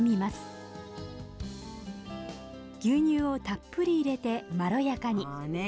牛乳をたっぷり入れてまろやかに。